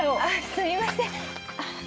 すみません。